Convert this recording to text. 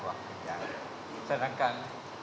waktu jedah sedangkan